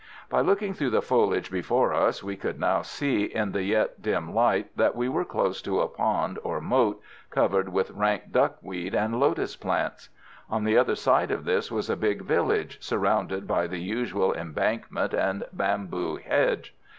By looking through the foliage before us, we could now see in the yet dim light that we were close to a pond or moat, covered with rank duck weed and lotus plants. On the other side of this was a big village, surrounded by the usual embankment and bamboo hedge.